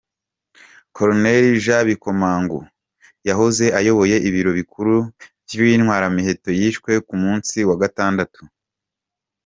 Colonel Jean Bikomagu, yahoze ayoboye ibiro bikuru vy'intwaramiheto, yishwe ku munsi wa gatandatu.